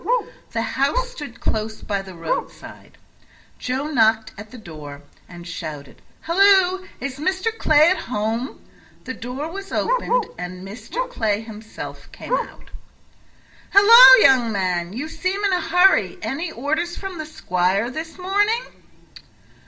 The house stood close by the roadside. Joe knocked at the door, and shouted, "Halloo! Is Mr. Clay at home?" The door was opened, and Mr. Clay himself came out. "Halloo, young man! You seem in a hurry; any orders from the squire this morning?"